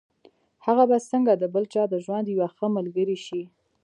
هغه به څنګه د بل چا د ژوند يوه ښه ملګرې شي.